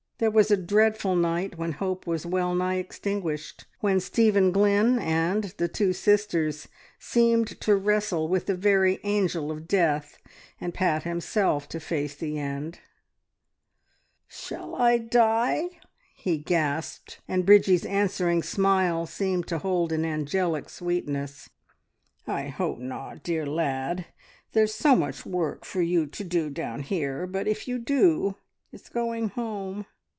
There was a dreadful night when hope was well nigh extinguished, when Stephen Glynn and the two sisters seemed to wrestle with the very angel of death, and Pat himself to face the end. "Shall I die?" he gasped, and Bridgie's answering smile seemed to hold an angelic sweetness. "I hope not, dear lad. There's so much work for you to do down here, but if you do it's going home!